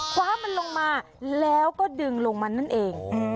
คว้ามันลงมาแล้วก็ดึงลงมานั่นเอง